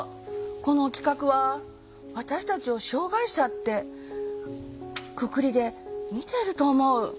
この企画は私たちを障害者ってくくりで見てると思う。